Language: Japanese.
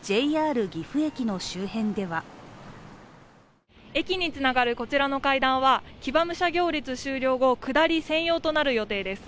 ＪＲ岐阜駅の周辺では駅につながるこちらの階段は騎馬武者行列終了後下り専用となる予定です。